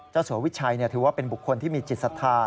สัววิชัยถือว่าเป็นบุคคลที่มีจิตศรัทธา